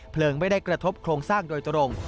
ไม่ได้กระทบโครงสร้างโดยตรง